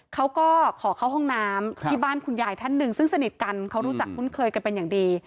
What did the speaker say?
เขาก็ขอเข้าห้องน้ำที่บ้านคุณยายท่านหนึ่งซึ่งสนิทกันเขารู้จักคุ้นเคยกันเป็นอย่างดี